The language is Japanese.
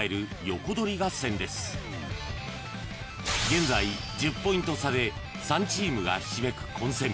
［現在１０ポイント差で３チームがひしめく混戦］